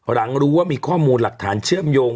หลังรู้ว่ามีข้อมูลหลักฐานเชื่อมโยง